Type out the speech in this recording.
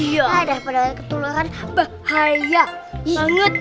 padahal keturunan bahaya banget